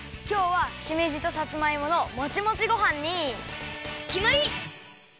きょうはしめじとさつまいものもちもちごはんにきまり！